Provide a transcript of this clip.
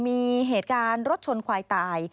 มีเหตุการณ์รถชนควายตาย